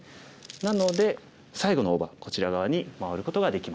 なので最後の大場こちら側に回ることができます。